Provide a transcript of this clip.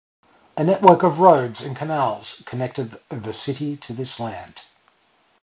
A network of roads and canals connected the city to this land.